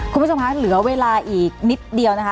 คุณผู้ชมคะเหลือเวลาอีกนิดเดียวนะคะ